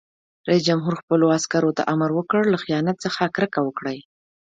رئیس جمهور خپلو عسکرو ته امر وکړ؛ له خیانت څخه کرکه وکړئ!